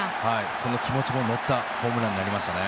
その気持ちの乗ったホームランになりましたね。